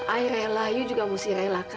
aku rela kamu juga mesti relakan